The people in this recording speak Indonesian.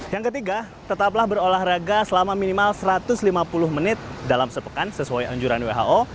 yang ketiga tetaplah berolahraga selama minimal satu ratus lima puluh menit dalam sepekan sesuai anjuran who